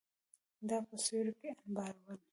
دا په سوریو کې انبارول